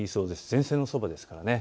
前線のそばですからね。